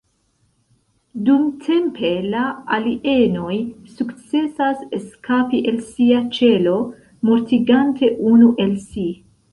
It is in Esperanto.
Dumtempe, la "alien-oj" sukcesas eskapi el sia ĉelo, mortigante unu el si.